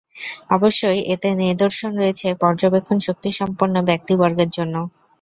অবশ্যই এতে নিদর্শন রয়েছে পর্যবেক্ষণ শক্তিসম্পন্ন ব্যক্তিবর্গের জন্যে।